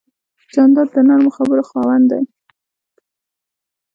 جانداد د نرمو خبرو خاوند دی.